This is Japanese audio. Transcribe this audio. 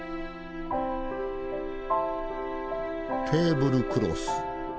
テーブルクロス。